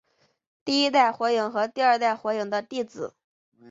第一代火影和第二代火影的弟子。